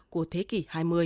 của thế kỷ hai mươi